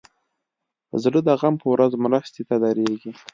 زړه د غم په ورځ مرستې ته دریږي.